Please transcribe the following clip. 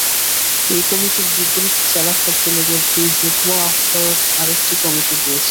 এই কমিটির বিপরীতে জেলা ছাত্রলীগের দুই যুগ্ম আহ্বায়ক আরেকটি কমিটি দিয়েছে।